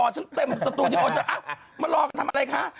ฉันเต็มสัตว์ที่เขาจะมารอกันทำอะไรคะ